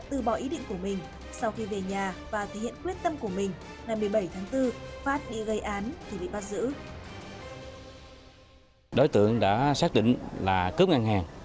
đối tượng đã quyết định thực hiện ý định của mình tại chiên nhánh ngân hàng sacombank bào bàng